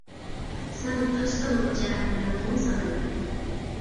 سەن تاش سانىغىچە مەن قۇم سانايمەن!